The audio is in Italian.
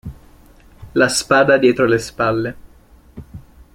La spada dietro le spalle.